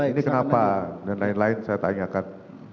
ini kenapa dan lain lain saya tanyakan